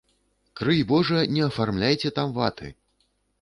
Крый божа, не афармляйце там ваты!